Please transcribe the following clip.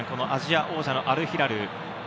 アジア王者のアルヒラル。